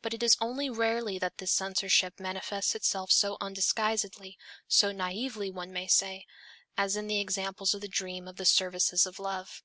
But it is only rarely that this censorship manifests itself so undisguisedly, so naively one may say, as in the example of the dream of the "services of love."